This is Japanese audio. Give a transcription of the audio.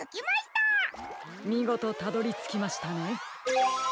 みごとたどりつきましたね。